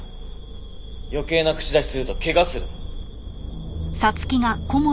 余計な口出しすると怪我するぞ。